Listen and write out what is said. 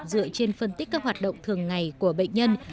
dựa trên phân tích các hoạt động thường ngày của bệnh nhân